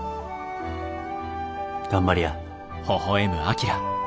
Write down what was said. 頑張りや。